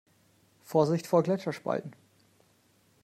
Vorsicht vor Gletscherspalten!